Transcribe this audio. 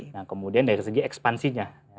nah kemudian dari segi ekspansinya